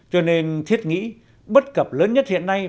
cho nên thiết nghĩ bất cập lớn nhất hiện nay